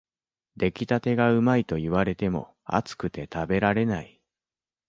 出来たてがうまいと言われても、熱くて食べられない